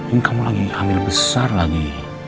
ini kamu lagi hamil besar lagi